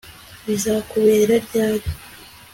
Bizakubera ryari